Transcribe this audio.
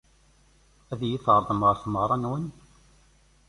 Ad iyi-d-tɛerḍem ɣer tmeɣra-nwen?